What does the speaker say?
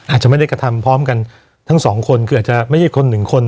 อาจจะไม่ได้กระทำพร้อมกันทั้งสองคนคืออาจจะไม่ใช่คนหนึ่งคน